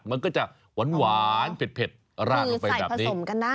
มันก็จะหวานเผ็ดราดลงไปแบบนี้